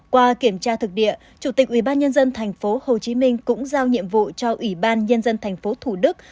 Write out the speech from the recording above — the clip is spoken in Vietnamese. qua kiểm tra thực địa chủ tịch ủy ban nhân dân thành phố hồ chí minh cũng giao nhiệm vụ cho ủy ban nhân dân thành phố thủ đức